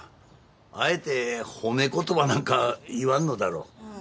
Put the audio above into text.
あえて褒め言葉なんか言わんのだろ。